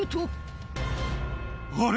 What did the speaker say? あれ？